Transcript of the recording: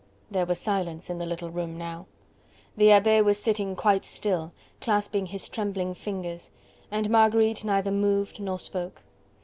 There was silence in the little room now. The Abbe was sitting quite still, clasping his trembling fingers, and Marguerite neither moved nor spoke.